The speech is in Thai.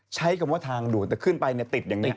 ใช้คำว่าทางด่วนแต่ขึ้นไปเนี่ยติดอย่างนี้